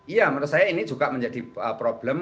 iya menurut saya ini juga menjadi problem